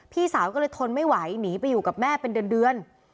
พี่สาวก็เลยทนไม่ไหวหนีไปอยู่กับแม่เป็นเดือน